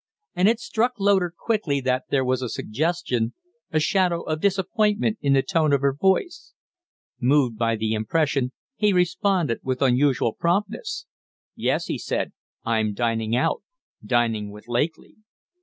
And it struck Loder quickly that there was a suggestion, a shadow of disappointment in the tone of her voice. Moved by the impression, he responded with unusual promptness. "Yes," he said. "I'm dining out dining with Lakely."